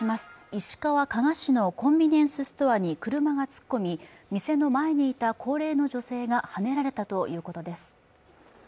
石川・加賀市のコンビニエンスストアに車が突っ込み、店の前にいた高齢の女性がはねられたということです。